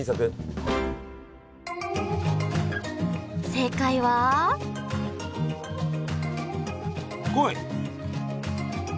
正解は来い。